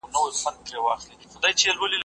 دا غرونه د واورې له امله سپین ښکاري.